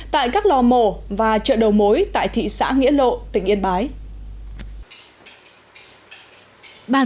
tại các lò mổ và chợ đầu mối tại thị xã nghĩa lộ tỉnh yên bái